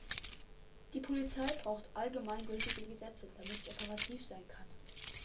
Die Polizei braucht allgemeingültige Gesetze, damit sie operativ sein kann.